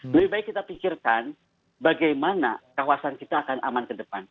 lebih baik kita pikirkan bagaimana kawasan kita akan aman ke depan